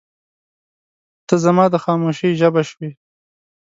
• ته زما د خاموشۍ ژبه شوې.